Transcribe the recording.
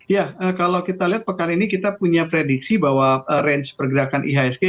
ya kalau kita lihat pekan ini kita punya prediksi bahwa range pergerakan ihsg